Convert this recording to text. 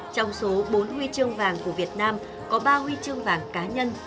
trong số bốn huy chương vàng của việt nam có ba huy chương vàng cá nhân